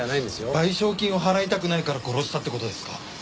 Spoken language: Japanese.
賠償金を払いたくないから殺したって事ですか？